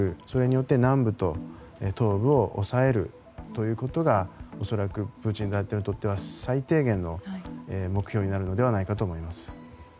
それによって南部と東部を抑えるということが恐らくプーチン大統領にとっては最低限の目標になるのではないかと思います。